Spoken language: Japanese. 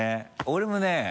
俺もね